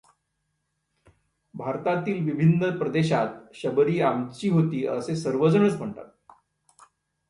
भारतातील विभिन्न प्रदेशात शबरी आमची होती असे सर्वजण म्हणतात.